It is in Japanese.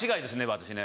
私ね。